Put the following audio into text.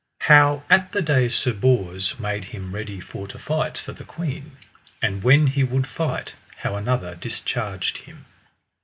How at the day Sir Bors made him ready for to fight for the queen; and when he would fight how another discharged him.